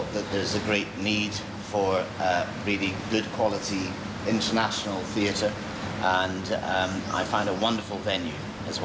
และฉันคิดว่ามีความต้องการภารกิจสำหรับภารกิจที่สุดที่สุด